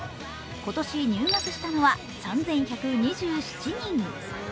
今年入学したのは３１２７人。